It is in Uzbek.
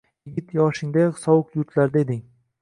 Yigit yoshingdayoq sovuq yurtlarda eding